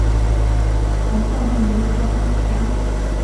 曾效力于贺芬咸。